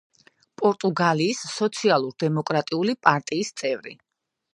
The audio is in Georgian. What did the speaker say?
პორტუგალიის სოციალ-დემოკრატიული პარტიის წევრი.